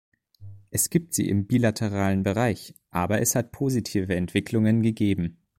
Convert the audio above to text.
Es gibt sie im bilateralen Bereich, aber es hat positive Entwicklungen gegeben.